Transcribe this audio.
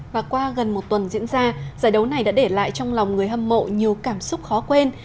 và qua gần một tuần diễn ra giải đấu này đã để lại trong lòng người hâm mộ nhiều cảm xúc khó quên